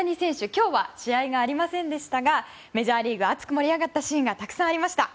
今日は試合がありませんでしたがメジャーリーグ熱く盛り上がったシーンがたくさんありました。